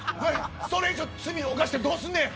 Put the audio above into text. それ以上罪を犯してどうすんねん！